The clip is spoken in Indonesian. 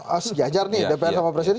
ya sudah diajar nih dpr sama presiden